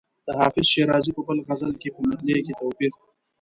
د حافظ شیرازي په بل غزل کې په مطلع کې توپیر.